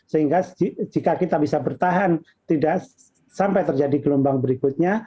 sehingga jika kita bisa bertahan tidak sampai terjadi gelombang berikutnya